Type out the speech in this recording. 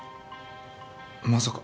まさか。